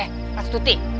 eh mas tuti